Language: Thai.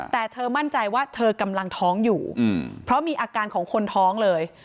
แต่เธอมั่นใจว่าเธอกำลังท้องอยู่เพราะมีอาการของคนท้องเลย